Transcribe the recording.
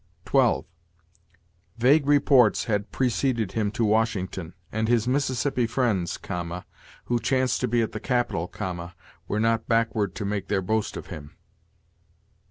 12. 'Vague reports ... had preceded him to Washington, and his Mississippi friends(,) who chanced to be at the capital(,) were not backward to make their boast of him.'